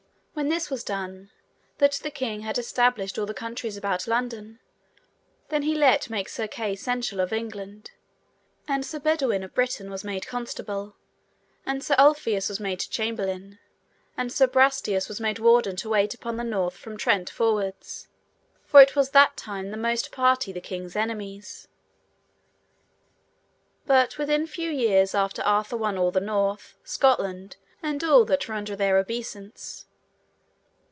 When this was done, that the king had stablished all the countries about London, then he let make Sir Kay seneschal of England; and Sir Baudwin of Britain was made constable; and Sir Ulfius was made chamberlain; and Sir Brastias was made warden to wait upon the north from Trent forwards, for it was that time the most party the king's enemies. But within few years after Arthur won all the north, Scotland, and all that were under their obeissance.